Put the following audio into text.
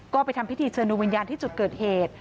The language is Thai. ก็ไปทำพิธีเชิญดูวิญญาณที่จุดเกิดเหตุ